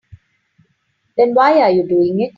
Then why are you doing it?